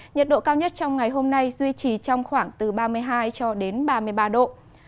nhiệt độ cao nhất trong ngày hôm nay duy trì trong khoảng từ ba mươi hai cho đến ba mươi ba độ